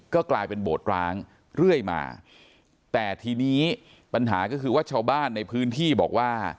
ก็กลายเป็นโบสถ์ร้างเรื่อยมาแต่ทีนี้ปัญหาก็คือว่าชาวบ้านในพื้นที่บอกว่า